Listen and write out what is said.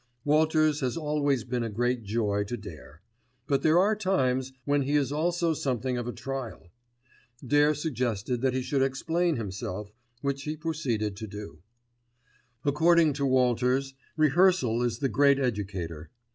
Walters has always been a great joy to Dare; but there are times when he is also something of a trial. Dare suggested that he should explain himself, which he proceeded to do. According to Walters, rehearsal is the great educator.